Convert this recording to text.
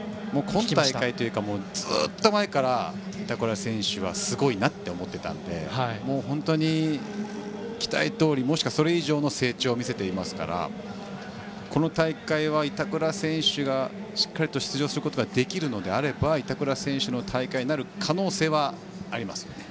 今大会というかずっと前から板倉選手はすごいなと思っていたので本当に、期待どおりそれ以上の成長を見せているのでこの大会は板倉選手がしっかりと出場することができるなら板倉選手の大会になる可能性はありますね。